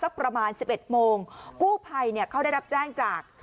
ประมาณ๑๑โมงกู้ภัยเนี่ยเขาได้รับแจ้งจาก